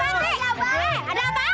elah jadi miliarder